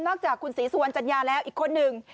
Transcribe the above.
จากคุณศรีสุวรรณจัญญาแล้วอีกคนหนึ่ง